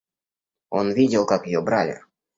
Он видел, как ее брали.